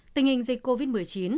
tình hình dịch covid một mươi chín